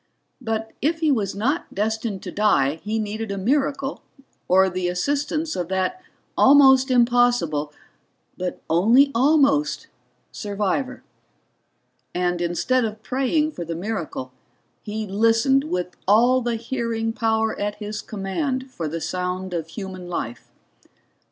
But if he was not destined to die he needed a miracle or the assistance of that almost impossible but only almost survivor. And instead of praying for the miracle, he listened with all the hearing power at his command for the sound of human life.